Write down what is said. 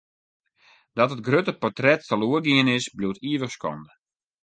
Dat it grutte portret teloar gien is, bliuwt ivich skande.